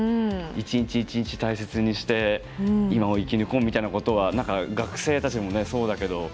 一日一日大切にして今を生き抜こうみたいなことはなんか、学生たちもそうだけど。